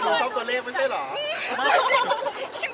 คริมขอไม่ทำนะครับ